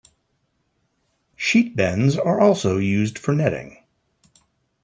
Sheet bends are also used for netting.